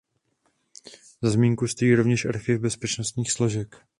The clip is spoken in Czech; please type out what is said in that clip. Za zmínku stojí rovněž archiv bezpečnostních složek.